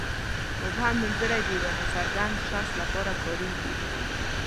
مبهم نومځري د یوه ناڅرګند شخص لپاره کاریږي.